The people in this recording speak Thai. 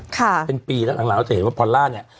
ค่ะเป็นปีแล้วหลังหลังจะเห็นว่าพอลล่าเนี่ย